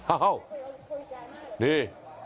โอ้โหดี